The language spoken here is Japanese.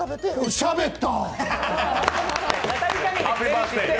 しゃべった！